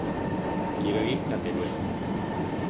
Quiero ir ta Teruel.